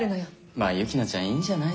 まぁユキナちゃんいいんじゃない？